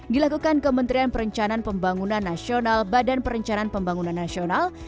dilakukan kementerian perencanaan pembangunan nasional badan perencanaan pembangunan nasional